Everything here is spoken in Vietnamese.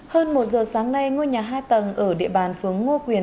hơn một giờ sáng nay ngôi nhà hai tầng ở địa bàn phướng ngô quyền